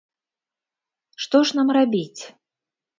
Што ж нам рабіць?